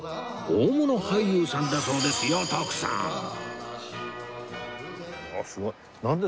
大物俳優さんだそうですよ徳さん！